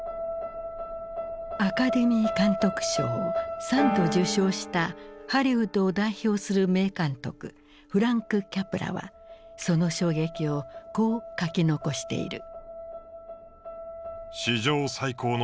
アカデミー監督賞を３度受賞したハリウッドを代表する名監督フランク・キャプラはその衝撃をこう書き残している。